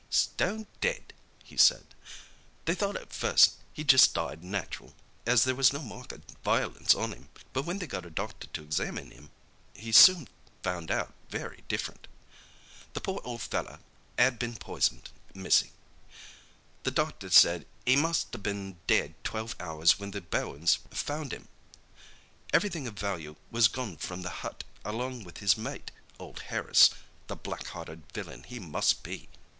"Stone dead," he said. "They thought at first he'd just died natural, as there was no mark o' violence on 'im, but when they got a doctor to examine 'im he soon found out very different. The poor ol' feller 'ad been poisoned, missy; the doctor said 'e must a' bin dead twelve hours when the Bowens found 'im. Everything of value was gone from the hut along with his mate, old Harris—the black hearted villain he must be!"